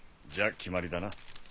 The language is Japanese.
じゃ決まりだな。